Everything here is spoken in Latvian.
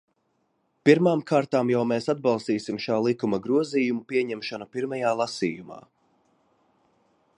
Pirmām kārtām jau mēs atbalstīsim šā likuma grozījumu pieņemšanu pirmajā lasījumā.